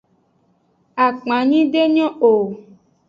Akpanyi de nyo o.